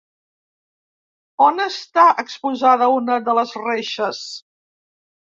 On està exposada una de les reixes?